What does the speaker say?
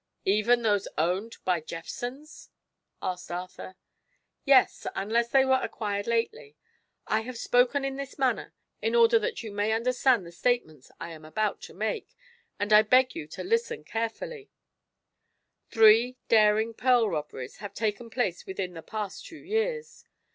"Even those owned by Jephson's?" asked Arthur. "Yes; unless they were acquired lately. I have spoken in this manner in order that you may understand the statements I am about to make, and I beg you to listen carefully: Three daring pearl robberies have taken place within the past two years.